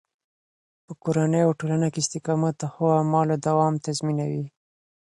په کورني او ټولنه کې استقامت د ښو اعمالو دوام تضمینوي.